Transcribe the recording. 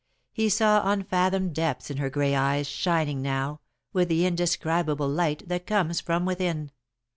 He saw unfathomed depths in her grey eyes, shining now, with the indescribable light that comes from within.